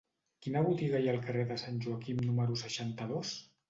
Quina botiga hi ha al carrer de Sant Joaquim número seixanta-dos?